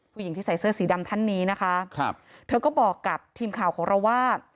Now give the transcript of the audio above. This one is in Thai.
ผู้หญิงที่ใส่เสื้อสีดำท่านนี้นะคะครับเธอก็บอกกับทีมข่าวของเราว่า